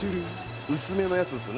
薄めのやつですよね。